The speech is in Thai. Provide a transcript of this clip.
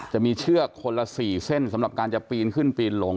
จะมีเชือกคนละ๔เส้นสำหรับการจะปีนขึ้นปีนลง